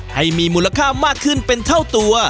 ให้มีมูลค่ามากขึ้นเป็นเท่าตัว